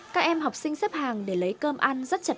các em học sinh xếp hàng để lấy cơm ăn rất chật tự